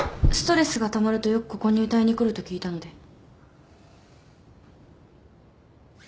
ストレスがたまるとよくここに歌いに来ると聞いたので。